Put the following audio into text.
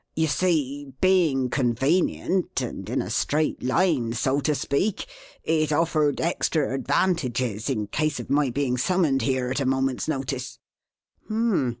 You see, being convenient and in a straight line, so to speak, it offered extra advantages in case of my being summoned here at a moment's notice."